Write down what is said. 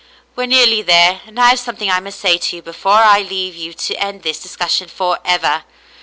We're nearly there and I have something I must say to you before I leave you to end this discussion forever.